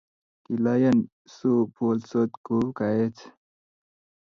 Kilayan so bolsoti ku kaech?